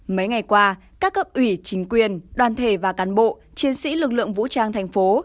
mấy ngày qua các cấp ủy chính quyền đoàn thể và cán bộ chiến sĩ lực lượng vũ trang thành phố